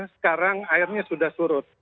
sekarang airnya sudah surut